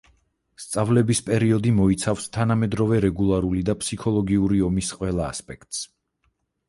სწავლების პერიოდი მოიცავს თანამედროვე რეგულარული და ფსიქოლოგიური ომის ყველა ასპექტს.